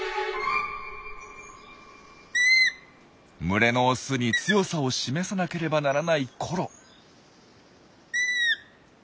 群れのオスに強さを示さなければならないコロ。